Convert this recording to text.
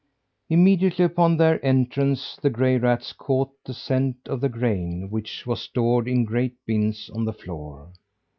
Immediately upon their entrance the gray rats caught the scent of the grain, which was stored in great bins on the floor.